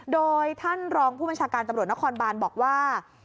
โดยท่านรองผู้บัญชาการตำรวจนครบานบอกว่า